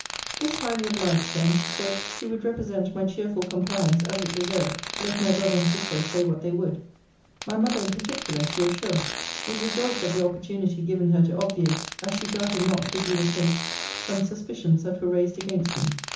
This highly obliged her; and she said, she would represent my cheerful compliance as it deserved, let my brother and sister say what they would. My mother in particular, she was sure, would rejoice at the opportunity given her to obviate, as she doubted not would be the case, some suspicions that were raised against me.